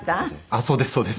あっそうですそうです。